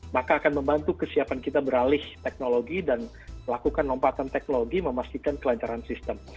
maka akan membantu kesiapan kita beralih teknologi dan melakukan lompatan teknologi memastikan kelancaran sistem